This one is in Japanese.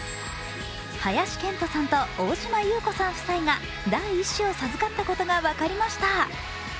林遣都さんと大島優子さん夫妻が第１子を授かったことが分かりました。